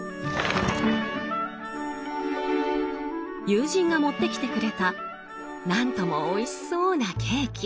友人が持ってきてくれた何ともおいしそうなケーキ。